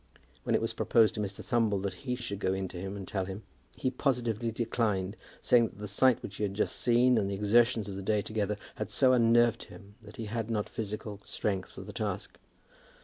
When it was proposed to Mr. Thumble that he should go in to him and tell him, he positively declined, saying that the sight which he had just seen and the exertions of the day together, had so unnerved him, that he had not physical strength for the task.